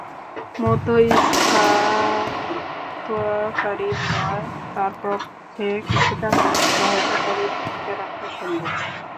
মধ্যস্থতাকারীর নয়, তার পক্ষে কিছুটা হলেও সহায়তাকারীর ভূমিকা রাখা সম্ভব।